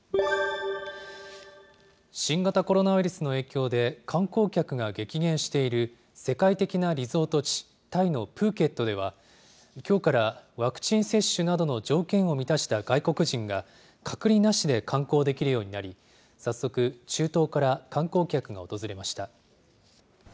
新型コロナウイルスの影響で、観光客が激減している、世界的なリゾート地、タイのプーケットでは、きょうからワクチン接種などの条件を満たした外国人が、隔離なしで観光できるようになり、早速、中東から観光客が訪れました。